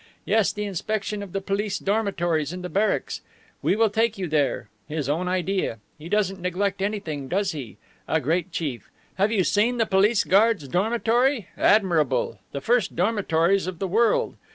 Yes, the inspection of the police dormitories in the barracks. We will take you there. His own idea! He doesn't neglect anything, does he? A great Chief. Have you seen the police guards' dormitory? Admirable! The first dormitories of the world.